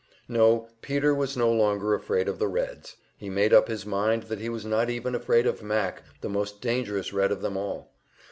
No, Peter was no longer afraid of the Reds! He made up his mind that he was not even afraid of Mac, the most dangerous Red of them all.